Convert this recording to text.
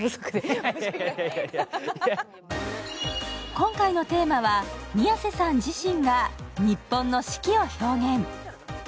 今回のテーマは、宮世さん自身が日本の四季を表現。